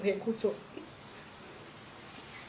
แล้วบอกว่าไม่รู้นะ